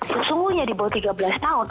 sesungguhnya di bawah tiga belas tahun